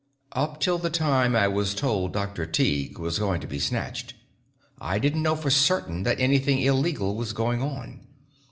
Up till the time I was told Dr. Tighe was going to be snatched I didn't know for certain that anything illegal was going on.